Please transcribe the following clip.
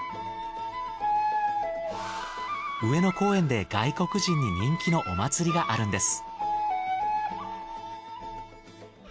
上野公園で外国人に人気のお祭りがあるんです。